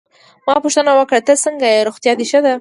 ما پوښتنه وکړه: ته څنګه ېې، روغتیا دي ښه ده؟